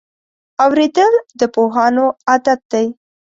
اورېدل د پوهانو عادت دی.